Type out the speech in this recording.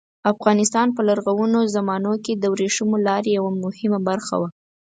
افغانستان په لرغونو زمانو کې د ورېښمو لارې یوه مهمه برخه وه.